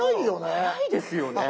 早いですよね。